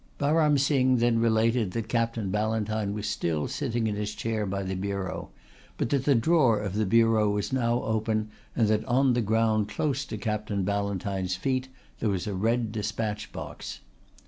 Baram Singh then related that Captain Ballantyne was still sitting in his chair by the bureau, but that the drawer of the bureau was now open, and that on the ground close to Captain Ballantyne's feet there was a red despatch box.